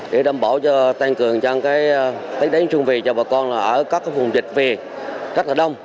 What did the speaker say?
để đảm bảo cho tăng cường cho cái đánh xuân về cho bà con là ở các cái vùng dịch về rất là đông